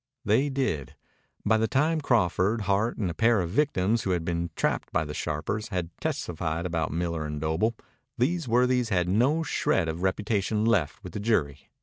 They did. By the time Crawford, Hart, and a pair of victims who had been trapped by the sharpers had testified about Miller and Doble, these worthies had no shred of reputation left with the jury.